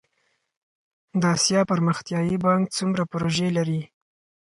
د اسیا پرمختیایی بانک څومره پروژې لري؟